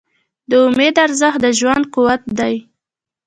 د امید ارزښت د ژوند قوت دی.